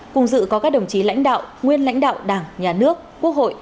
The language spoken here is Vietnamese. cùng dự có các đồng chí lãnh đạo nguyên lãnh đạo đảng nhà nước quốc hội